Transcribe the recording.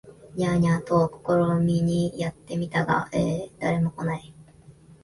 ニャー、ニャーと試みにやって見たが誰も来ない